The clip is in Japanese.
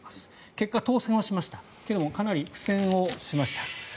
結果、当選はしましたがかなり苦戦をしました。